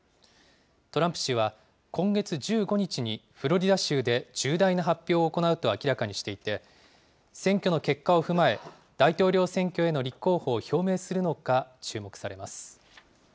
トランプ氏は今月１５日にフロリダ州で重大な発表を行うと明らかにしていて、選挙の結果を踏まえ、大統領選挙への立候補を表明するのか、注目されます。